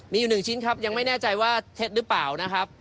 มีอยู่๑ชิ้นครับยังไม่แน่ใจว่าเท็จหรือเปล่านะครับ